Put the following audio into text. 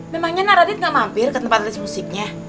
memangnya naradit ga mampir ke tempat list musiknya